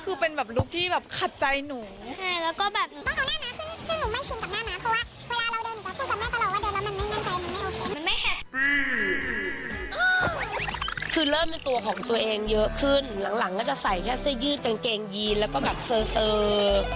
แบบโปรแบบนี้แล้วก็ไม่ชอบเอาหน้ามาขึ้นแล้วก็จะไม่ใส่กลางเกงโปรแบบนี้